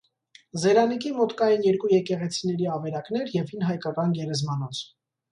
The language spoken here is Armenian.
Զերանիկի մոտ կային երկու եկեղեցիների ավերակներ և հին հայկական գերեզմանոց։